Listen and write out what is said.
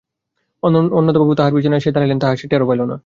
অন্নদাবাবু কখন তাহার পিছনে আসিয়া দাঁড়াইলেন তাহা সে টেরও পাইল না।